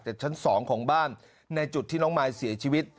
ชั้น๒ของบ้านในจุดที่น้องมายเสียชีวิต